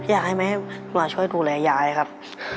อยากให้แม่มาช่วยดูแลยายครับ